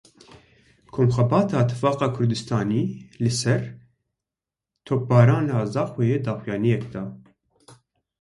Komxebata Tifaqa Kurdistanî li ser topbarana Zaxoyê daxuyaniyek da.